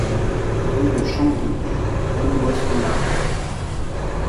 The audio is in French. Rue de Chambry, Aulnois-sous-Laon